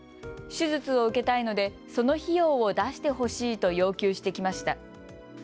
手術を受けたいので、その費用を出してほしいと要求してきました。